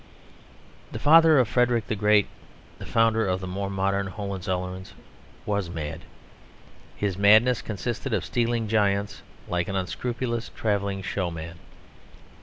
The father of Frederick the Great, the founder of the more modern Hohenzollerns, was mad. His madness consisted of stealing giants; like an unscrupulous travelling showman.